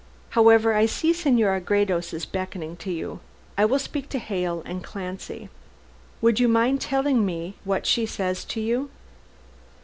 However, I see Senora Gredos is beckoning to you. I will speak to Hale and Clancy. Would you mind telling me what she says to you?"